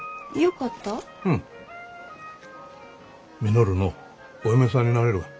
稔のお嫁さんになれるがん。